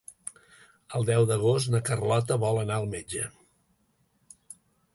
El deu d'agost na Carlota vol anar al metge.